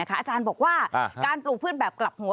อาจารย์บอกว่าการปลูกพืชแบบกลับหัว